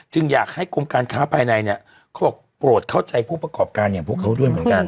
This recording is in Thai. อยากให้กรมการค้าภายในเนี่ยเขาบอกโปรดเข้าใจผู้ประกอบการอย่างพวกเขาด้วยเหมือนกัน